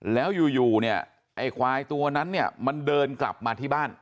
แล้วอยู่เนี่ยไอ้ควายตัวนั้นเนี่ยมันเดินกลับมาที่บ้าน